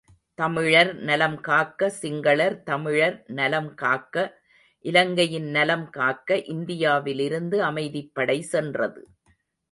தமிழர் நலம் காக்க சிங்களர் தமிழர் நலம் காக்க இலங்கையின் நலம் காக்க இந்தியாவிலிருந்து அமைதிப்படை சென்றது.